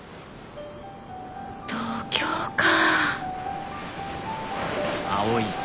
東京か。